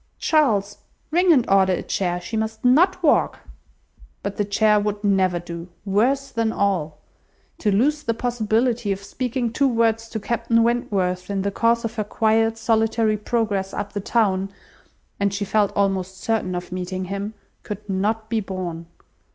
Charles, ring and order a chair. She must not walk." But the chair would never do. Worse than all! To lose the possibility of speaking two words to Captain Wentworth in the course of her quiet, solitary progress up the town (and she felt almost certain of meeting him) could not be borne.